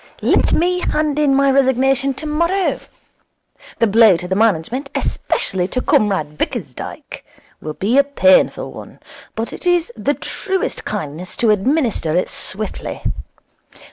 Let me hand in my resignation tomorrow. The blow to the management, especially to Comrade Bickersdyke, will be a painful one, but it is the truest kindness to administer it swiftly.